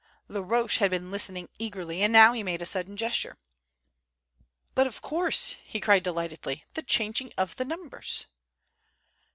Laroche had been listening eagerly, and now he made a sudden gesture. "But of course!" he cried delightedly. "The changing of the numbers!"